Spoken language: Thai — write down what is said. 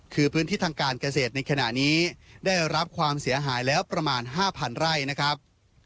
คือพื้นที่ทางการเกษตรในขณะนี้ได้รับความเสียหายแล้วประมาณ๕๐๐ไร่นะครับ